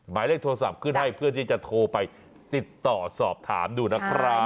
หมายเลขโทรศัพท์ขึ้นให้เพื่อที่จะโทรไปติดต่อสอบถามดูนะครับ